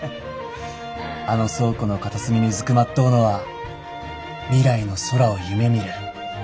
あの倉庫の片隅にうずくまっとうのは未来の空を夢みる翼とよ。